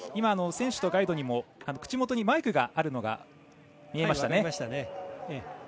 選手とガイドにも口元にマイクがあるのが見えましたね。